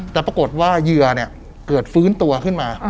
แต่ปรากฏว่าเหยื่อเนี่ยเกิดฟื้นตัวขึ้นมา